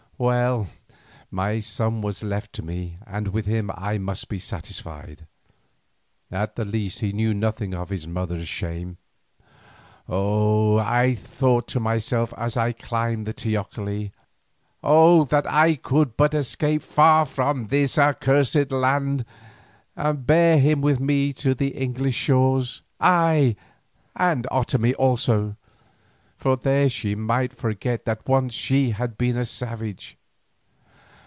Well, my son was left to me and with him I must be satisfied; at the least he knew nothing of his mother's shame. Oh! I thought to myself as I climbed the teocalli, oh! that I could but escape far from this accursed land and bear him with me to the English shores, ay, and Otomie also, for there she might forget that once she had been a savage.